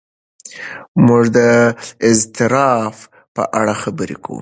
موږ د اضطراب په اړه خبرې کوو.